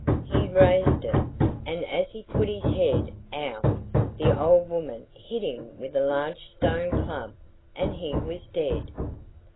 He raised it, and as he put his head out the old woman hit him with a large stone club and he was dead.